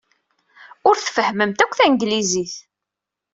Ur tfehhmemt akk tanglizit.